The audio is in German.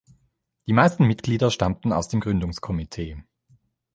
Die meisten Mitglieder stammten aus dem Gründungskomitee.